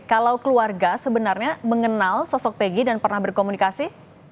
kalau keluarga sebenarnya mengenal sosok pegi dan pernah berkomunikasi